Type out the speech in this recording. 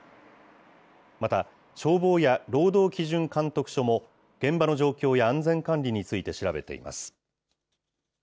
また、消防や労働基準監督署も、現場の状況や安全管理について調べています。